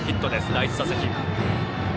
第１打席。